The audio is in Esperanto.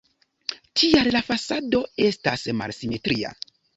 Tial la fasado estas malsimetria.